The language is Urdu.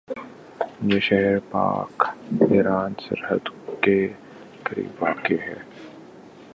یہ شہر پاک ایران سرحد کے قریب واقع ہے